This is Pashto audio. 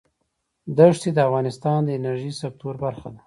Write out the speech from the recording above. دښتې د افغانستان د انرژۍ سکتور برخه ده.